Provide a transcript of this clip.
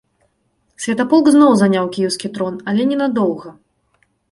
Святаполк зноў заняў кіеўскі трон, але ненадоўга.